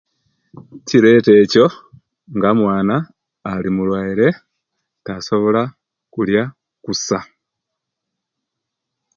Ekireta ekyo nga omwana ali muluwaire tasobola okulya kusa